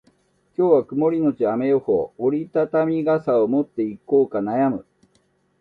今日は曇りのち雨予報。折り畳み傘を持っていこうか悩む。